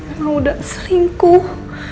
emang udah selingkuh